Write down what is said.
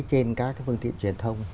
trên các phương tiện truyền thông